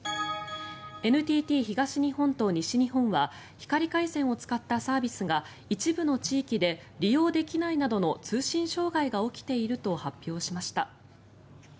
ＮＴＴ東日本と西日本は光回線を使ったサービスが一部の地域で利用できないなどの通信障害が起きていると発表しました。